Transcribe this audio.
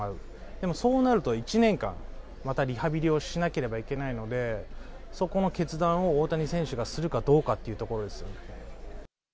でもそうなると、１年間またリハビリをしなければいけないので、そこの決断を大谷選手がするかどうかっていうところですよね。